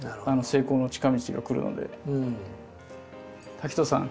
滝藤さん